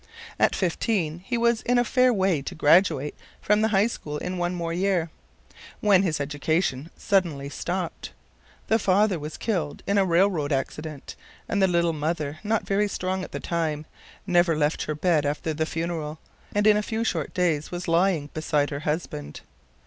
At fifteen he was in a fair way to graduate from the High School in one year more, when his education suddenly stopped. The father was killed in a railroad accident, and the little mother, not very strong at the time, never left her bed after the funeral, and in a few short days was lying beside her husband.